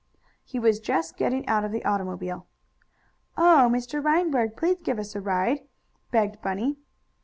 He was just getting out of the automobile. "Oh, Mr. Reinberg, please give us a ride!" begged Bunny.